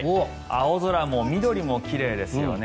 青空も緑も奇麗ですよね。